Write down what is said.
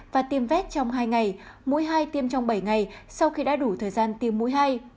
và tiêm vét trong hai ngày mũi hai tiêm trong bảy ngày sau khi đã đủ thời gian tiêm mũi hay